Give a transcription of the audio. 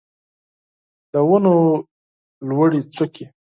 د ونو لوړې څوکې